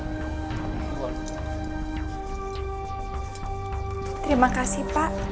terima kasih pak